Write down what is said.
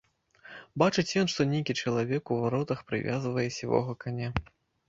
Бачыць ён, што нейкі чалавек у варотах прывязвае сівога каня.